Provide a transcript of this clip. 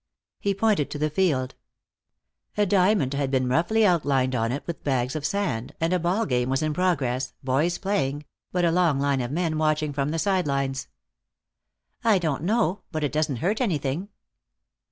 He pointed to the field. A diamond had been roughly outlined on it with bags of sand, and a ball game was in progress, boys playing, but a long line of men watching from the side lines. "I don't know, but it doesn't hurt anything."